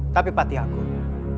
tapi patih agung